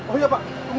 oh iya pak tunggu pak ya